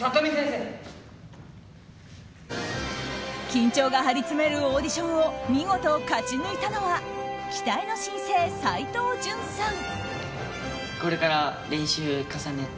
緊張が張り詰めるオーディションを見事勝ち抜いたのは期待の新星、齋藤潤さん。